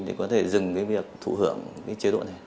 để có thể dừng cái việc thụ hưởng cái chế độ này